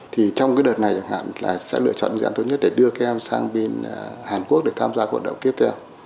thì trong cái đợt này hàn sẽ lựa chọn dự án tốt nhất để đưa các em sang bên hàn quốc để tham gia hoạt động tiếp theo